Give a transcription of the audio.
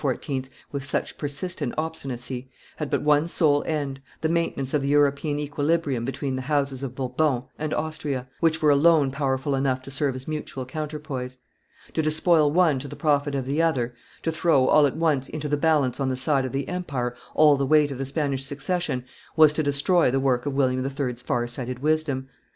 with such persistent obstinacy, had but one sole end, the maintenance of the European equilibrium between the houses of Bourbon and Austria, which were alone powerful enough to serve as mutual counterpoise. To despoil one to the profit of the other, to throw, all at once, into the balance on the side of the empire all the weight of the Spanish succession, was to destroy the work of William III.'s far sighted wisdom.